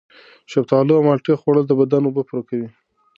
د شفتالو او مالټې خوړل د بدن اوبه پوره کوي.